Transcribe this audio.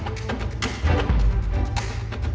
gue mau dal drones juga